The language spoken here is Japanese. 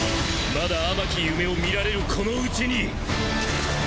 まだ甘き夢を見られるこのうちに！